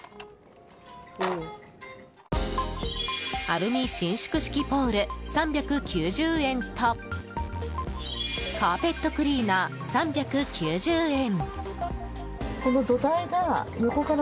アルミ伸縮式ポール３９０円とカーペットクリーナー、３９０円。